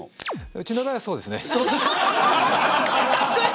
うちの場合はそうですね。